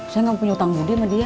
saya gak punya hutang budi sama dia